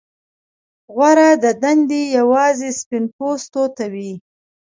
غوره دندې یوازې سپین پوستو ته وې.